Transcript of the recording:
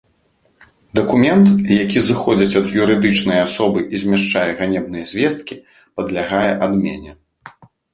Дакумент, які зыходзіць ад юрыдычнай асобы і змяшчае ганебныя звесткі, падлягае адмене.